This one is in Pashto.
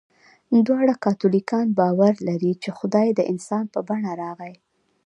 دواړه کاتولیکان باور لري، چې خدای د انسان په بڼه راغی.